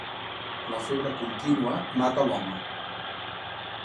La febre contínua mata l'home.